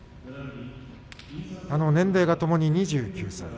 年齢がともに２９歳。